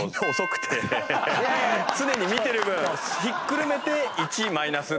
常に見てる分ひっくるめて１マイナスって事。